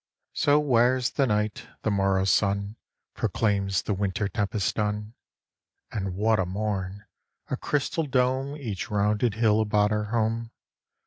So wears the night—the morrow's sun Proclaims the winter tempest done. And what a morn! A crystal dome Each rounded hill about our home!